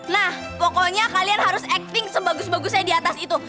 nah pokoknya kalian harus acting sebagus bagusnya di atas itu